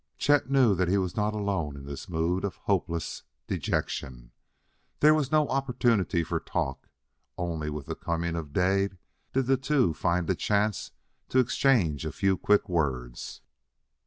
Chet knew that he was not alone in this mood of hopeless dejection. There was no opportunity for talk; only with the coming of day did the two find a chance to exchange a few quick words.